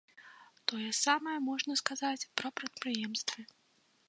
Тое самае можна сказаць пра прадпрыемствы.